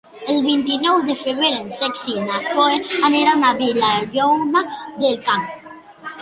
El vint-i-nou de febrer en Cesc i na Zoè aniran a Vilallonga del Camp.